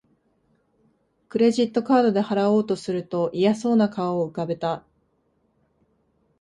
クレジットカードで払おうとすると嫌そうな顔を浮かべた